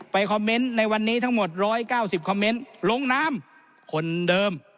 คอมเมนต์ในวันนี้ทั้งหมด๑๙๐คอมเมนต์ลงน้ำคนเดิม